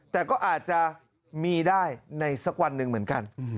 แต่ก็อาจจะมีได้ในสักวันหนึ่งเหมือนกัน